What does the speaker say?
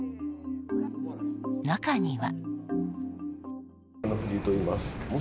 中には。